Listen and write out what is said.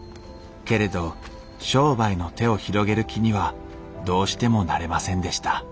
けれど商売の手を広げる気にはどうしてもなれませんでした